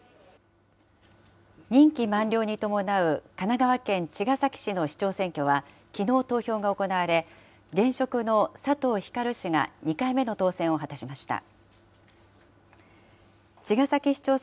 任期満了に伴う、神奈川県茅ヶ崎市の市長選挙はきのう投票が行われ、現職の佐藤光氏が２回目の当選を果たしました。